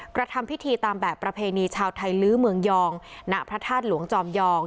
กระทำพิธีตามแบบประเพณีชาวไทยลื้อเมืองยองณพระธาตุหลวงจอมยอง